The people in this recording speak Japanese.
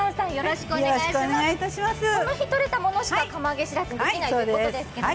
その日とれたものしか釜揚げしらすにできないということですけれども。